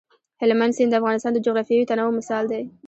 هلمند سیند د افغانستان د جغرافیوي تنوع مثال دی.